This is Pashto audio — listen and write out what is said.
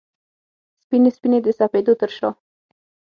سپینې، سپینې د سپېدو ترشا